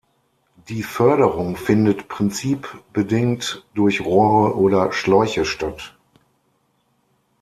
Die Förderung findet prinzipbedingt durch Rohre oder Schläuche statt.